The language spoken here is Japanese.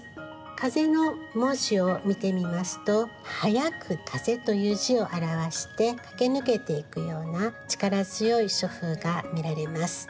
風の文字を見てみますと速く風という字を表して駆け抜けていくような力強い書風が見られます。